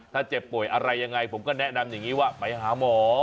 ถ้าเจ็บป่วยอะไรยังไงผมก็แนะนำอย่างนี้ว่าไปหาหมอ